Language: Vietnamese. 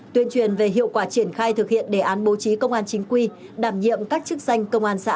tuyên truyền về hiệu quả triển khai thực hiện đề án bố trí công an chính quy đảm nhiệm các chức danh công an xã